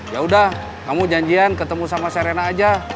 yaudah kamu janjian ketemu sama serena aja